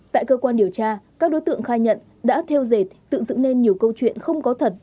tại cơ quan điều tra các đối tượng khai nhận đã theo dệt tự dựng nên nhiều câu chuyện không có thật